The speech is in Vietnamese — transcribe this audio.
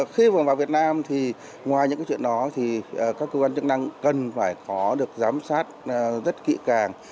khi vào việt nam thì ngoài những chuyện đó thì các cơ quan chức năng cần phải có được giám sát rất kỹ càng